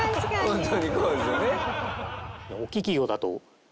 ホントにそうですよね。